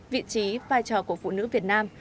vị trí vai trò của phụ nữ việt nam